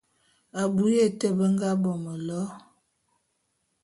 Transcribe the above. Abui ya été be nga bo mélo.